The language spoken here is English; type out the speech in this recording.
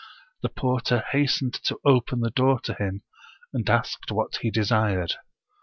The porter hastened to open the door to him, and asked what he desired.